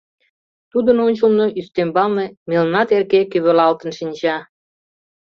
Тудын ончылно, ӱстембалне, мелна терке кӧвалалтын шинча.